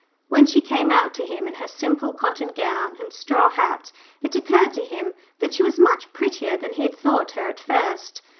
When she came out to him in her simple cotton gown and straw hat, it occurred to him that she was much prettier than he had thought her at first.